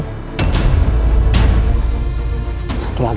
kamu itu udah ngerusak rencana saya tahu nggak bang